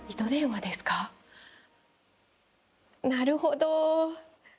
なるほど。